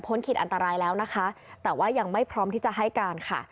ขีดอันตรายแล้วนะคะแต่ว่ายังไม่พร้อมที่จะให้การค่ะ